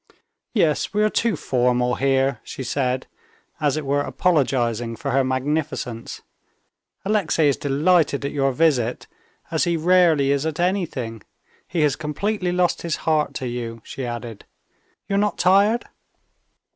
"Yes, we are too formal here," she said, as it were apologizing for her magnificence. "Alexey is delighted at your visit, as he rarely is at anything. He has completely lost his heart to you," she added. "You're not tired?"